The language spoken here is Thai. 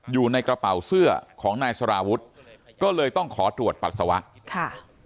อยู่ในกระเป๋าเสื้อของนายสารวุฒิก็เลยต้องขอตรวจปัสสาวะค่ะ